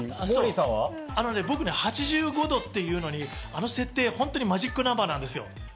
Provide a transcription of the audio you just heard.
僕ね、８５度っていう設定、マジックナンバーなんですよ。